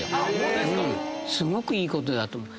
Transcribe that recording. すごくいいことだと思う。